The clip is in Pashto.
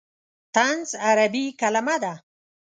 طنز عربي کلمه ده.